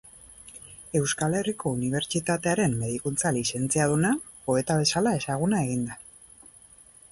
Euskal Herriko Unibertsitatearen Medikuntza lizentziaduna, poeta bezala ezaguna egin da.